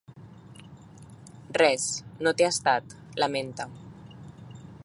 Res, no té estat, lamenta.